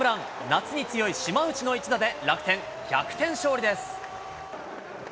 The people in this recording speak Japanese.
夏に強い島内の一打で、楽天、逆転勝利です。